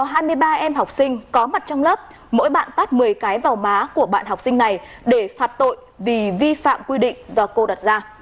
các em học sinh có mặt trong lớp mỗi bạn tắt một mươi cái vào má của bạn học sinh này để phạt tội vì vi phạm quy định do cô đặt ra